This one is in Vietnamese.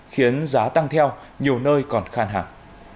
khiến giá tăng theo nhiều nơi còn khan hàng